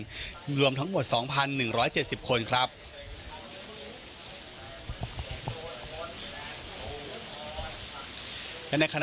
เท่ารวมทั้งหมด๒๑๗๐คน